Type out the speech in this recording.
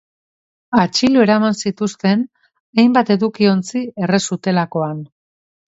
Atxilo eraman zituzten hainbat eduki-ontzi erre zutelakoan.